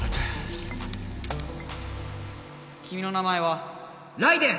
きみの名前はライデェン！